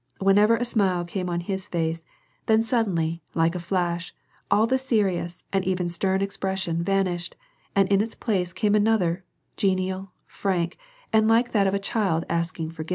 Whenever a smile came on his face, then suddenly, like a flash, all the serious and even stem expression vanished, and in its place came another, genial, frsuik, and like that of a child asking for giveness.